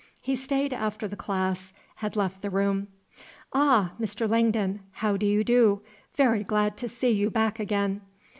He stayed after the class had left the room. "Ah, Mr. Langdon! how do you do? Very glad to see you back again.